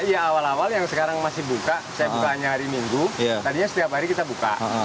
iya awal awal yang sekarang masih buka saya bukanya hari minggu tadinya setiap hari kita buka